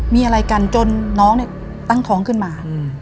มีอะไรกันจนน้องเนี่ยตั้งท้องขึ้นมา